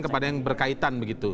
kepada yang berkaitan begitu